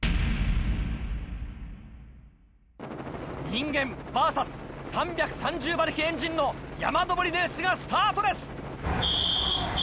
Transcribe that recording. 人間ｖｓ３３０馬力エンジンの山登りレースがスタートです！